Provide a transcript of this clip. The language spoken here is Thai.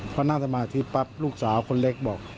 พอนั่งสมาธิปั๊บลูกสาวคนเล็กบอก